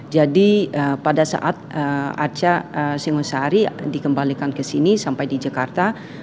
jadi pada saat arca singosari dikembalikan ke sini sampai di jakarta